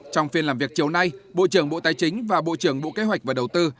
trong phiên làm việc chiều nay bộ trưởng bộ tài chính và bộ trưởng bộ kế hoạch và đầu tư